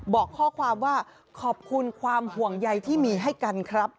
บอกข้อความว่าขอบคุณความห่วงใยที่มีให้กันครับ